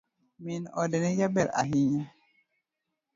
Min ode ne jaber ahinya.